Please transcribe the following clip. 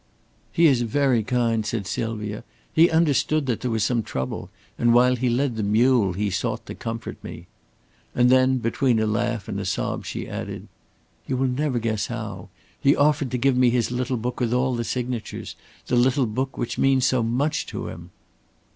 "He is very kind," said Sylvia. "He understood that there was some trouble, and while he led the mule he sought to comfort me," and then between a laugh and a sob she added: "You will never guess how. He offered to give me his little book with all the signatures the little book which means so much to him."